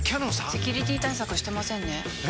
セキュリティ対策してませんねえ！